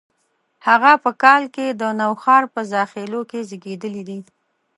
هغه په کال کې د نوښار په زاخیلو کې زیږېدلي دي.